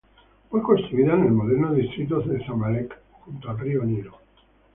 Fue construida en el moderno distrito de Zamalek, junto al río Nilo.